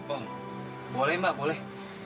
oh boleh mbak boleh